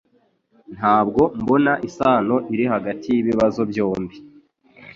Ntabwo mbona isano iri hagati yibibazo byombi